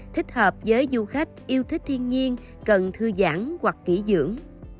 thích hợp với du khách yêu thích thiên nhiên cần thư giãn hoặc kỹ dưỡng